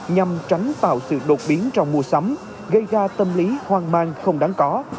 nhằm tránh tạo sự đột biến trong mua sắm gây ra tâm lý hoang mang không đáng có